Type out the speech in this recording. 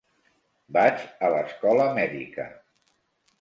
Vaig a l"escola mèdica.